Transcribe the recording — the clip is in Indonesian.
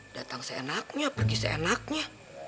datang seenaknya pergi seenaknya